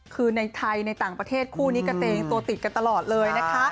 คือในไทยในต่างประเทศคู่นี้กระเตงตัวติดกันตลอดเลยนะคะ